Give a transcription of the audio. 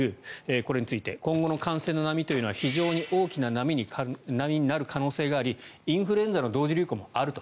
これについて今後の感染の波というのは非常に大きな波になる可能性がありインフルエンザの同時流行もあると。